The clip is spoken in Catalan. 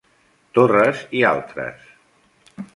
Torres i altres.